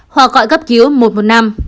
hoặc gọi cấp cứu một một năm